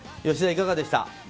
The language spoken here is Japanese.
吉田、いかがでした。